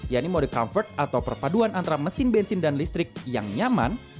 yaitu mode comfort atau perpaduan antara mesin bensin dan listrik yang nyaman